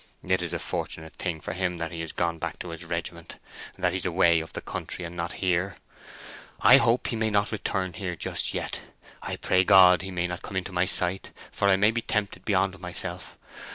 It is a fortunate thing for him that he's gone back to his regiment—that he's away up the country, and not here! I hope he may not return here just yet. I pray God he may not come into my sight, for I may be tempted beyond myself.